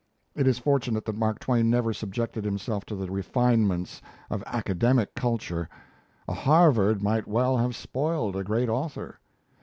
It is fortunate that Mark Twain never subjected himself to the refinements of academic culture; a Harvard might well have spoiled a great author.